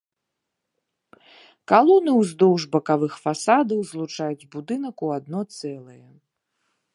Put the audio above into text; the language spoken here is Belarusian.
Калоны ўздоўж бакавых фасадаў злучаюць будынак у адно цэлае.